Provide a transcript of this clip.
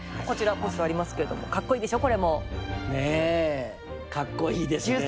こちらポスターありますけれどもかっこいいでしょこれも。ねえかっこいいですね。